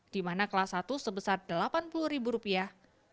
di mana kelas satu sebesar delapan puluh ribu rupiah